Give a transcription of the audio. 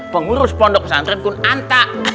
pengurus pondok santret kun anta